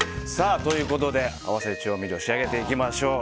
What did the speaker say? ということで、合わせ調味料仕上げていきましょう。